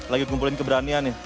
lagi kumpulin keberanian nih